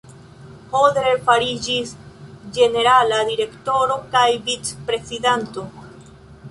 Hodler fariĝis Ĝenerala Direktoro kaj Vicprezidanto.